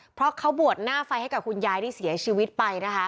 เพราะเขาบวชหน้าไฟให้กับคุณยายที่เสียชีวิตไปนะคะ